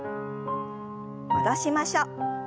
戻しましょう。